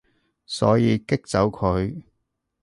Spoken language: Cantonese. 所以激走佢